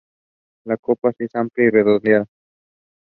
Japan were the defending champions.